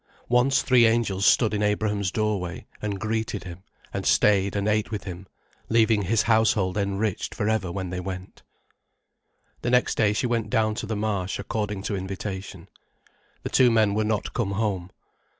Once three angels stood in Abraham's doorway, and greeted him, and stayed and ate with him, leaving his household enriched for ever when they went. The next day she went down to the Marsh according to invitation. The two men were not come home.